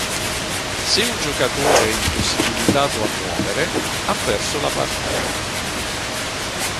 Se un giocatore è impossibilitato a muovere, ha perso la partita.